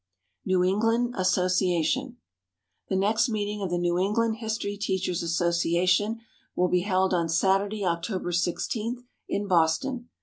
NEW ENGLAND ASSOCIATION. The next meeting of the New England History Teachers' Association will be held on Saturday, October 16, in Boston.